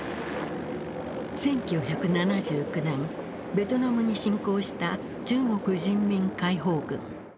１９７９年ベトナムに侵攻した中国人民解放軍。